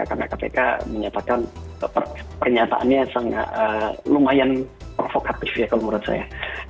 karena kpk menyatakan pernyataannya lumayan provocative ya kalau menurut saya